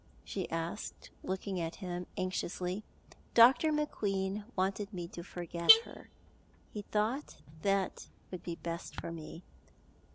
she asked, looking at him anxiously. "Dr. McQueen wanted me to forget her. He thought that would be best for me.